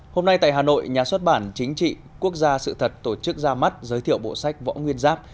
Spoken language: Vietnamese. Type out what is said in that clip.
hôm nay tại hà nội nhà xuất bản chính trị quốc gia sự thật tổ chức ra mắt giới thiệu bộ sách võ nguyên giáp